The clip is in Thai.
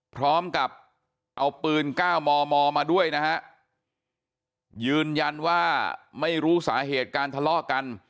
พร้อมกับเอาปืน๙มมมาด้วยนะฮะยืนยันว่าไม่รู้สาเหตุการทะเลาะกัน